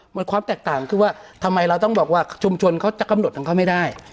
มันความแตกต่างคือว่าทำไมเราต้องบอกว่าชุมชนเขาจะกำหนดของเขาไม่ได้